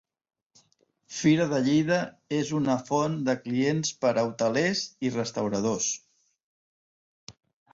Fira de Lleida és una font de clients per a hotelers i restauradors.